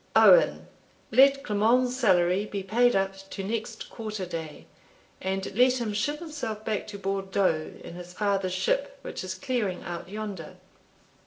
Owen, let Clement's salary be paid up to next quarter day, and let him ship himself back to Bourdeaux in his father's ship, which is clearing out yonder."